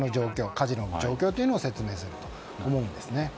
火事の状況を説明すると思うんですね。